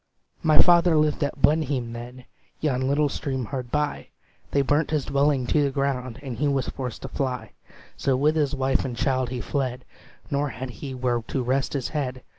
"My father lived at Blenheim then, Yon little stream hard by; They burnt his dwelling to the ground, And he was forced to fly: So with his wife and child he fled, Nor had he where to rest his head.